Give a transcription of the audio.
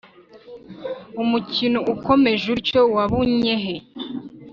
umukino ukomeje utyo wabunye he